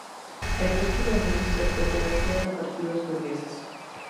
El resto de ministros pertenecían a partidos burgueses.